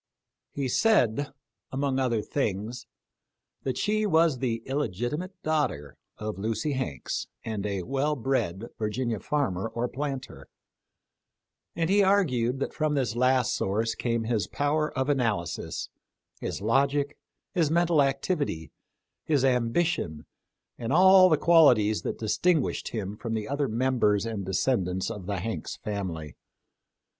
He said, among other things, that she was the illegitimate daughter of Lucy Hanks and a well bred Virginia farmer or planter ; and he argued that from this last source came his power of analysis, his logic, his mental activity, his ambition, and all the qualities that distinguished him from the other members and descendants of the Hanks family.